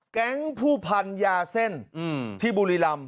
ผู้พันยาเส้นที่บุรีรำ